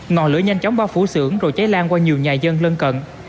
ngọn lửa nhanh chóng bao phủ xưởng rồi cháy lan qua nhiều nhà dân lân cận